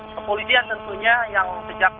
kepolisian tentunya yang sejak